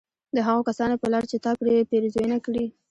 د هغو كسانو په لار چي تا پرې پېرزوينه كړې